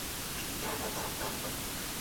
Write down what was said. ځوانان باید له پخوانیو کسانو تجربه واخلي.